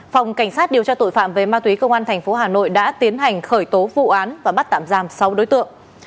phòng cảnh sát điều tra tội phạm về ma túy công an tp hà nội đã tiến hành khởi tố vụ án và bắt tạm giam sáu đối tượng